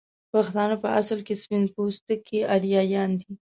پښتانه په اصل کې سپين پوټکي اريايان دي